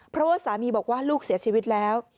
เพราะว่าสามีบอกว่าลูกเสียชีวิตแล้ว